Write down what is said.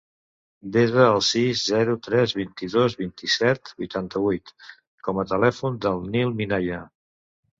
Desa el sis, zero, tres, vint-i-dos, vint-i-set, vuitanta-vuit com a telèfon del Nil Minaya.